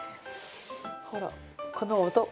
ほらこの音。